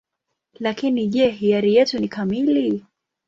Lakini je, hiari yetu ni kamili?